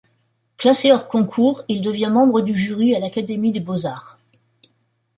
Classé hors-concours, il devient membre du jury à l'Académie des beaux-arts.